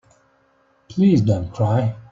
Please don't cry.